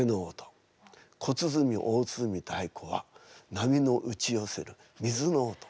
小鼓大鼓太鼓は波の打ち寄せる水の音。